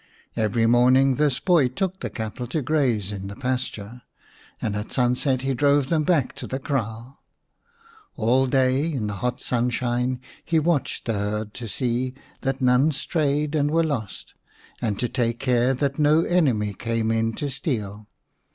Every morning this boy took the cattle to graze in the pasture, and at sunset he drove them back to the kraal. All day, in the hot sunshine, he watched the herd to see that none strayed and were lost, and to take care that no enemy came in to steal.